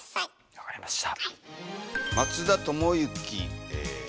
分かりました。